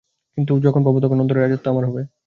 কিন্তু যখন পাব তখন অন্তরের রাজত্ব আমার হবে।